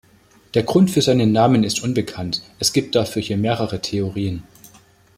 Der Grund für seinen Namen ist unbekannt, es gibt dafür hier mehrere Theorien.